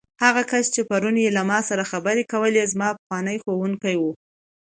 هغه کس چې پرون یې له ما سره خبرې کولې، زما پخوانی ښوونکی و.